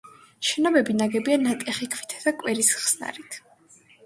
შენობები ნაგებია ნატეხი ქვითა და კირის ხსნარით.